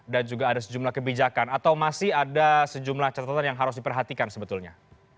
dan juga ada sejumlah kebijakan atau masih ada sejumlah catatan yang harus diperhatikan sebetulnya